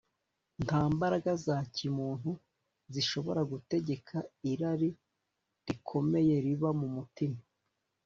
nta mbaraga za kimuntu zishobora gutegeka irari rikomeye riba mu mutima